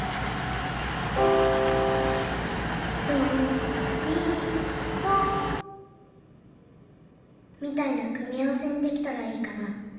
ドミソみたいな組み合わせにできたらいいかな。